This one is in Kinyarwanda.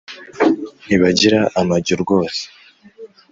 ntibagira amajyo rwose